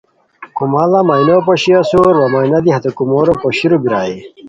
کوماڑا مینو پوشی اسور وا مینا دی ہتے کومورو پوشیرو بیرائے